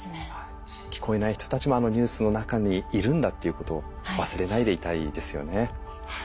聞こえない人たちもあのニュースの中にいるんだっていうことを忘れないでいたいですよね。